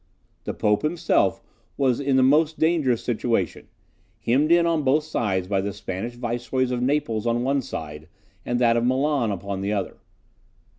The Pope himself was in the most dangerous situation; hemmed in on both sides by the Spanish Viceroys of Naples on the one side, and that of Milan upon the other.